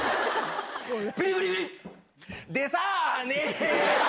でさね！